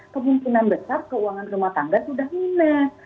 kemungkinan besar keuangan rumah tangga sudah minat